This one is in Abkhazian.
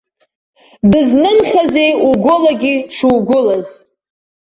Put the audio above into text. Дызнымхазеи угәылагьы дшугәылаз.